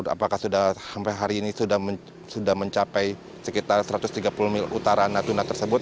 apakah sudah sampai hari ini sudah mencapai sekitar satu ratus tiga puluh mil utara natuna tersebut